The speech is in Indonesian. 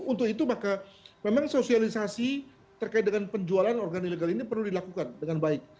untuk itu maka memang sosialisasi terkait dengan penjualan organ ilegal ini perlu dilakukan dengan baik